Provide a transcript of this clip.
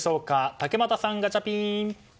竹俣さん、ガチャピン。